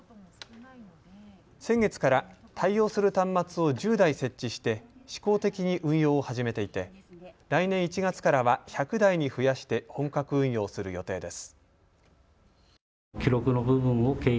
先月から対応する端末を１０台設置して試行的に運用を始めていて来年１月からは１００台に増やして本格運用する予定です。